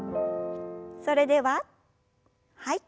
それでははい。